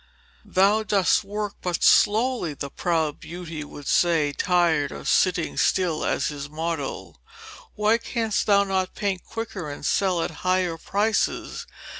'Thou dost work but slowly,' the proud beauty would say, tired of sitting still as his model. 'Why canst thou not paint quicker and sell at higher prices?